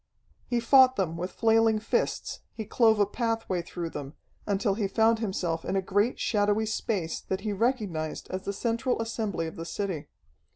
He fought them with flailing fists, he clove a pathway through them, until he found himself in a great shadowy space that he recognized as the central assembly of the city.